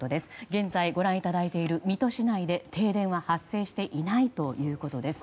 現在、ご覧いただいている水戸市内で停電は発生していないということです。